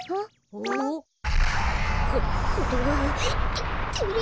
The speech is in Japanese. ここれはててれ。